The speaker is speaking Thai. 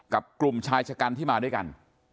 กลุ่มชายชะกันที่มาด้วยกัน